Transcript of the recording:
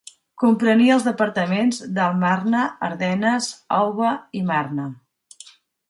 Comprenia els departaments d'Alt Marne, Ardenes, Aube i Marne.